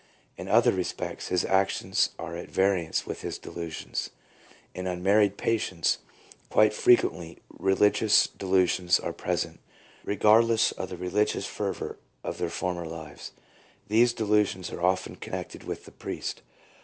In other respects his actions are at variance with his delusions. In unmarried patients quite frequently religious delusions are present, regardless of the re ligious fervour of their former lives. These delusions are often connected with the priest.